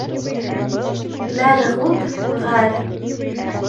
Мәрғүп ғәр.